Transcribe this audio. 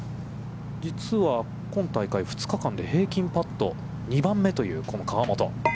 実は今大会２日間で平均パットが２番目というこの河本。